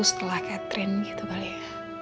setelah catherine gitu kali ya